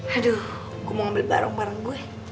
aduh gue mau ambil barang barang gue